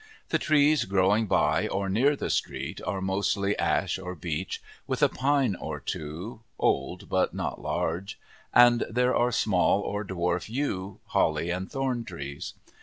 The trees growing by or near the street are mostly ash or beech, with a pine or two, old but not large; and there are small or dwarf yew , holly , and thorn trees.